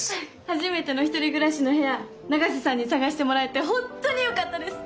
初めての１人暮らしの部屋永瀬さんに探してもらえて本当によかったです。